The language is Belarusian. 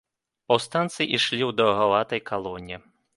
Паўстанцы ішлі ў даўгаватай калоне.